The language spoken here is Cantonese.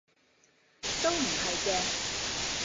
都唔係嘅